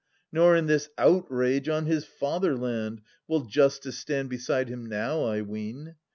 Nor in this outrage on his fatherland Will Justice stand beside him now, I ween.